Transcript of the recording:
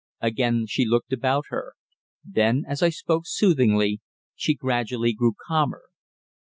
Again she looked about her. Then, as I spoke soothingly, she gradually grew calmer.